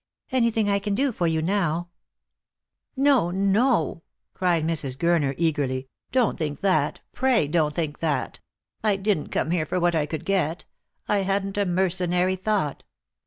Anything I can do for you now " "No, no," cried Mrs Gurner eagerly; "don't think that; pray don't think that ! I didn't come here for what I could get. I hadn't a mercenary thought.